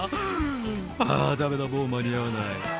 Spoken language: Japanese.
「あぁダメだもう間に合わない」